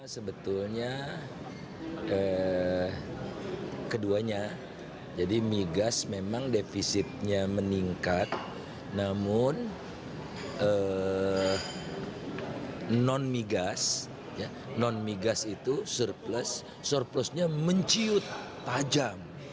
sebetulnya keduanya jadi migas memang defisitnya meningkat namun non migas non migas itu surplusnya menciut tajam